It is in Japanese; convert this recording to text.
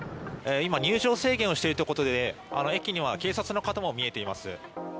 今、入場制限をしているということで、駅には警察の方も見えています。